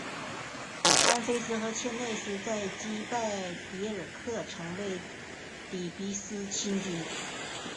安菲翁和仄忒斯在击败狄耳刻成为底比斯新君。